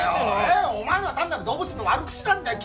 お前のは単なる動物の悪口なんだよ。